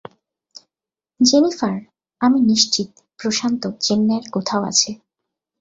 Jennifer, আমি নিশ্চিত প্রশান্ত চেন্নাইয়ের কোথাও আছে।